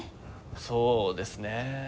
そうですね